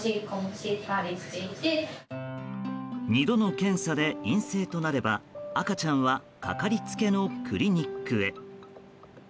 ２度の検査で陰性となれば赤ちゃんはかかりつけのクリニックへ。